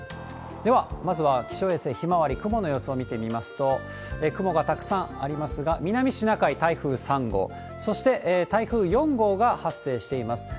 では、まずは気象衛星ひまわり、雲の様子を見てみますと、雲がたくさんありますが、南シナ海、台風３号、そして台風４号が発生しています。